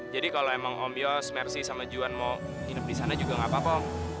jadi kalau emang om yos mercy sama juan mau hidup di sana juga gak apa apa om